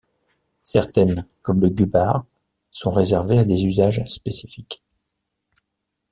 Certaines, comme le ghûbar, sont réservées à des usages spécifiques.